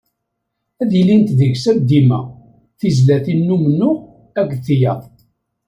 Ad ilint deg-s, am dima, tezlatin n umennuɣ, akked tiyaḍ.